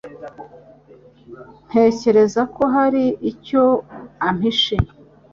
Ntekereza ko hari icyo ampishe.